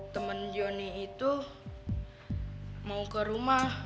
temen jonny itu mau ke rumah